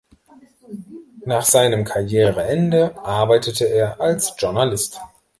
Nach seinem Karriereende arbeitete er als Journalist.